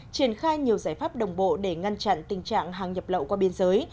triển khai nhiều giải pháp đồng bộ để ngăn chặn tình trạng hàng nhập lậu qua biên giới